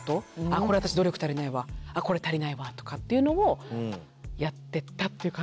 これ私努力足りないわこれ足りないわとかっていうのをやっていったっていう感じなんですけど。